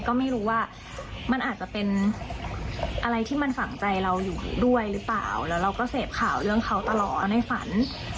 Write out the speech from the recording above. ก็ไม่รู้ว่ามันอาจจะเป็นอะไรที่มันฝังใจเราอยู่ด้วยหรือเปล่าแล้วเราก็เสพข่าวเรื่องเขาตลอดในฝัน